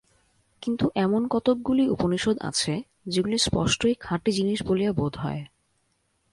কিন্তু এমন কতকগুলি উপনিষদ আছে, যেগুলি স্পষ্টই খাঁটি জিনিষ বলিয়া বোধ হয়।